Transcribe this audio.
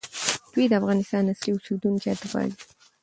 دوی د افغانستان اصلي اوسېدونکي، اتباع دي،